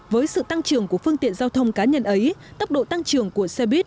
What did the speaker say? với sự tăng trưởng của phương tiện giao thông cá nhân ấy tốc độ tăng trưởng của xe buýt